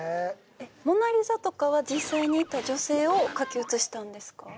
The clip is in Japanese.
「モナ・リザ」とかは実際にいた女性を描き写したんですか？